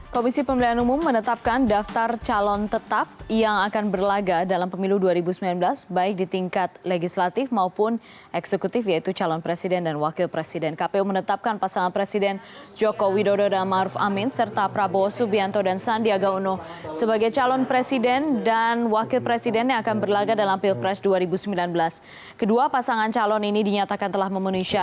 kepala pemilihan umum